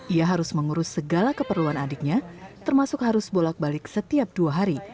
ia harus mengurus segala keperluan adiknya termasuk harus bolak balik setiap dua hari